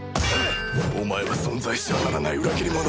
お前は存在してはならない裏切り者。